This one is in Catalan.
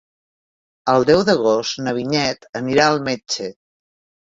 El deu d'agost na Vinyet anirà al metge.